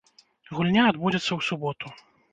Гульня адбудзецца ў суботу.